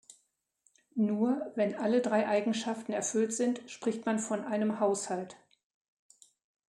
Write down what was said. Nur, wenn alle drei Eigenschaften erfüllt sind, spricht man von einem Haushalt.